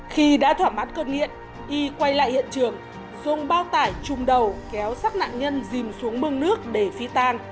khi đã thỏa mãn cơn nghiện y quay lại hiện trường dùng bao tải trùng đầu kéo sát nạn nhân dìm xuống mương nước để phi tan